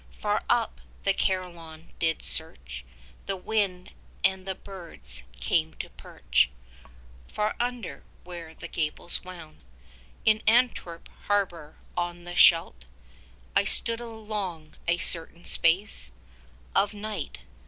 Far up, the Carillon did search 10 The wind; and the birds came to perch Far under, where the gables wound. In Antwerp harbour on the Scheldt I stood along, a certain space Of night.